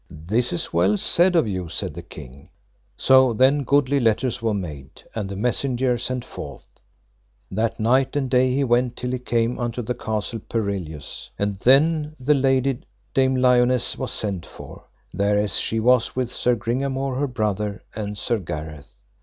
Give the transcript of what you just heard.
This is well said of you, said the king. So then goodly letters were made, and the messenger sent forth, that night and day he went till he came unto the Castle Perilous. And then the lady Dame Lionesse was sent for, thereas she was with Sir Gringamore her brother and Sir Gareth.